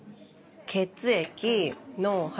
血液脳波